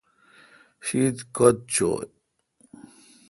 شیت کوتھ چویں ۔